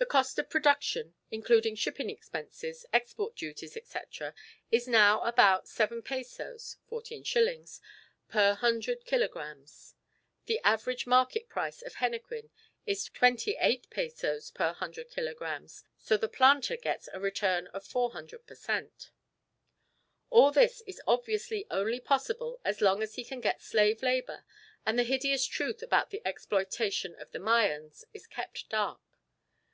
The cost of production, including shipping expenses, export duties, etc., is now about 7 pesos (14s.) per 100 kilogrammes. The average market price of henequen is 28 pesos per 100 kilogrammes, so the planter gets a return of 400 per cent. All this is obviously only possible as long as he can get slave labour and the hideous truth about the exploitation of the Mayans is kept dark.